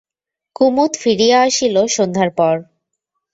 কুমুদ ফিরিয়া আসিল সন্ধ্যার পর।